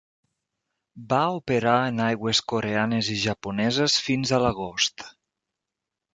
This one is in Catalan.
Va operar en aigües coreanes i japoneses fins a l'agost.